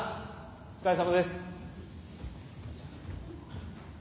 お疲れさまです。